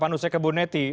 manusia ke bu neti